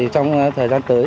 trong thời gian tới